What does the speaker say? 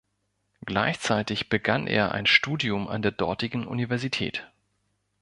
Gleichzeitig begann er ein Studium an der dortigen Universität.